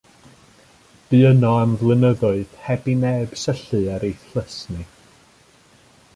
Bu yno am flynyddoedd heb i neb syllu ar ei thlysni.